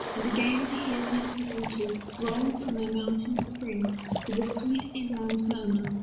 and again I hear These waters, rolling from their mountain springs With a sweet inland murmur.